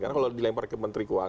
karena kalau dilempar ke menteri kepala